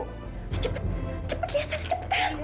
cepat cepat lihat sana cepat lihat